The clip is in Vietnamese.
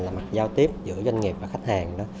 là mặt giao tiếp giữa doanh nghiệp và khách hàng đó